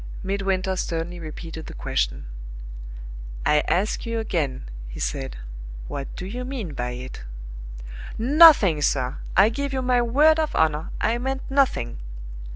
Midwinter sternly repeated the question. "I ask you again," he said, "what do you mean by it?" "Nothing, sir! I give you my word of honor, I meant nothing!"